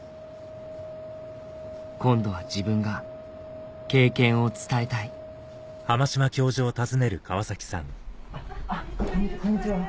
今度は自分が経験を伝えたいこんにちは